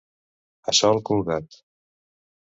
A sol colgat.